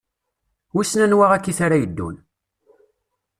Wissen anwa akkit ara yeddun?